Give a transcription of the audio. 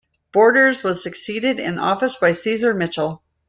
Borders was succeeded in office by Ceasar Mitchell.